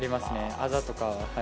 あざとかは。